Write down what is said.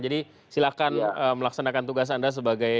jadi silahkan melaksanakan tugas anda sebagai